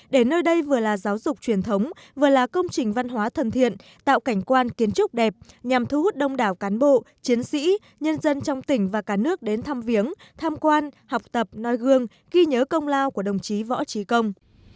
để nơi đây vừa là giáo dục truyền thống vừa là công trình văn hóa thân thiện tạo cảnh quan kiến trúc đẹp nhằm thu hút đông đảo cán bộ chiến sĩ nhân dân trong tỉnh và cả nước đến thăm viếng tham quan học tập noi gương ghi nhớ công lao của đồng chí võ trí công